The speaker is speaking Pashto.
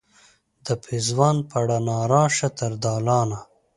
د پیزوان په روڼا راشه تر دالانه